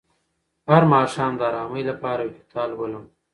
هر ماښام د ارامۍ لپاره یو کتاب لولم.